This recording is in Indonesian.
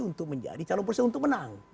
untuk menjadi calon presiden untuk menang